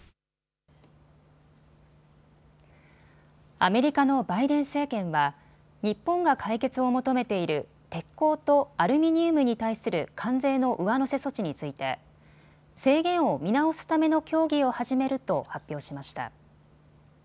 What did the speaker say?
アメリカのバイデン政権は日本が解決を求めている鉄鋼とアルミニウムに対する関税の上乗せ措置について制限を見直すための協議を始めると発表しました。